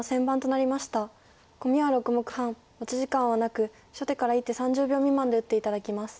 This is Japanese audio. コミは６目半持ち時間はなく初手から１手３０秒未満で打って頂きます。